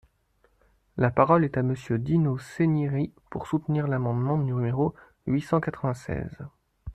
La parole est à Monsieur Dino Cinieri, pour soutenir l’amendement numéro huit cent quatre-vingt-seize.